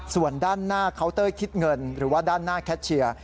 ส่วนด้านหน้าเคาน์เตอร์คิดเงินหรือว่าด้านหน้าแคชเชียร์